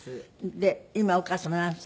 で今お母様何歳？